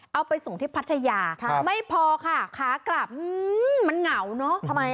เอาไปส่งที่พัทยาไม่พอค่ะขากลับมันเหงาเนอะ